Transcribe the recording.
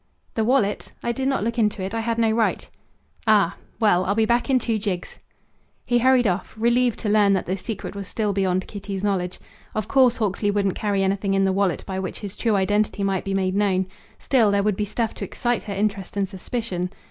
"The wallet? I did not look into it. I had no right." "Ah! Well, I'll be back in two jigs." He hurried off, relieved to learn that the secret was still beyond Kitty's knowledge. Of course Hawksley wouldn't carry anything in the wallet by which his true identity might be made known. Still, there would be stuff to excite her interest and suspicion.